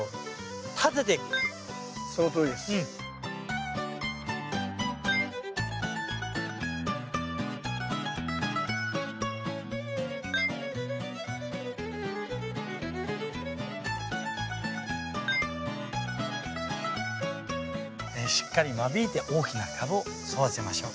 ねっしっかり間引いて大きなカブを育てましょう。